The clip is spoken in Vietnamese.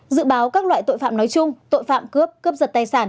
dự báo các loại tội phạm nói chung tội phạm cướp cướp giật tài sản